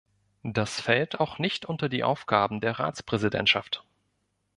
Das fällt auch nicht unter die Aufgaben der Ratspräsidentschaft.